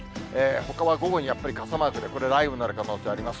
ほかは午後にやっぱり傘マークで、これ雷雨になる可能性あります。